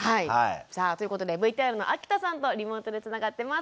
さあということでＶＴＲの秋田さんとリモートでつながってます。